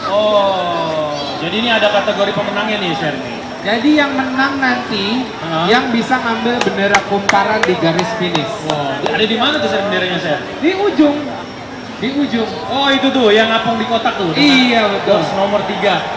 oh jadi ni ada kategori pemenang ini sergi jadi yang menangnya pada tujuh media lalu mempunyai penghargaan dari